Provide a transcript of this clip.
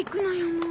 もう。